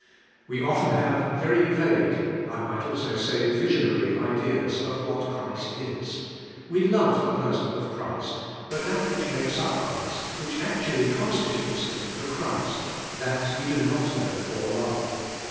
We often have very vague, — I might also say visionary ■— ideas of what Christ is; we love the person of Christ, but that which makes up Christ, which actually constitutes Him the Christ, that we do not know or love.